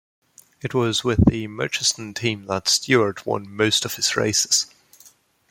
It was with the Merchiston team that Stewart won most of his races.